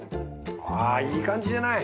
あいい感じじゃない！